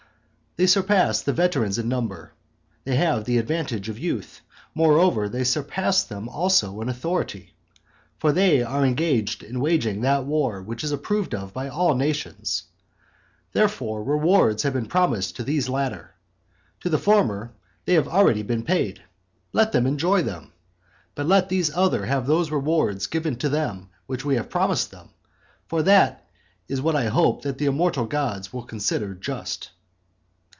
They surpass the veterans in number, they have the advantage of youth, moreover, they surpass them also in authority. For they are engaged in waging that war which is approved of by all nations. Therefore, rewards have been promised to these latter. To the former they have been already paid, let them enjoy them. But let these others have those rewards given to them which we have promised them. For that is what I hope that the immortal gods will consider just.